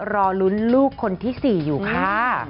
รอลุ้นลูกคนที่๔อยู่ค่ะ